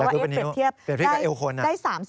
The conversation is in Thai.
อยากรู้เป็นนิ้วเปรียบเทียบกับเอวคนนะ